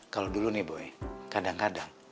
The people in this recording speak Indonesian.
kalau dulu nih boleh kadang kadang